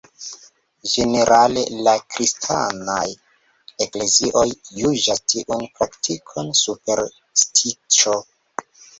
Ĝenerale la kristanaj eklezioj juĝas tiun praktikon superstiĉo.